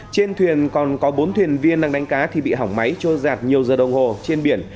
trên thuyền còn có bốn thuyền viên đang đánh cá thì bị hỏng máy trôi giạt nhiều giờ đồng hồ trên biển